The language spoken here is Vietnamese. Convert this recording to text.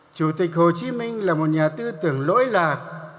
chủ tịch hồ chí minh là một nhà tư tưởng lỗi lạc